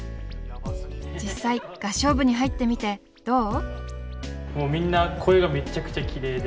実際合唱部に入ってみてどう？